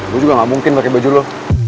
gue juga gak mungkin pakai baju lo